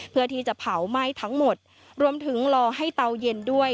เพื่อที่จะเผาไหม้ทั้งหมดรวมถึงรอให้เตาเย็นด้วย